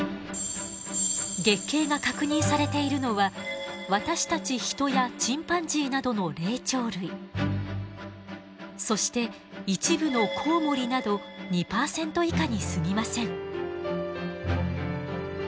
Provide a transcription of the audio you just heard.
月経が確認されているのは私たちヒトやチンパンジーなどの霊長類そして一部のコウモリなど２％以下にすぎません。